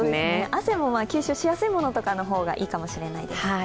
汗も吸収しやすいものがいいかもしれないです。